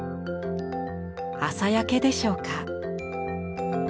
朝焼けでしょうか。